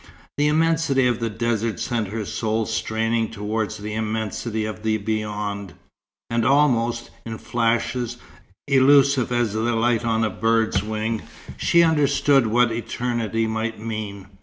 The immensity of the desert sent her soul straining towards the immensity of the Beyond; and almost, in flashes elusive as the light on a bird's wing, she understood what eternity might mean.